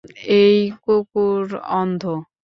এই কুকুর অন্ধ!